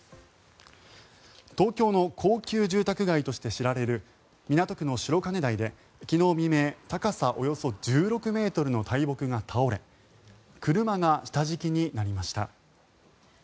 東京の高級住宅街として知られる港区の白金台で昨日未明高さおよそ１６ｍの大木が倒れ車が下敷きになりました。